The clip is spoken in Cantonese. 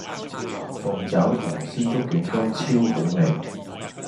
鳳爪同鮮竹卷都超好味